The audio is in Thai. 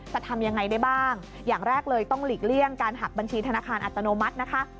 จะทำยังไงได้บ้างอย่างแรกเลยต้องหลีกเลี่ยงการหักบัญชีธนาคารอัตโนมัตินะคะ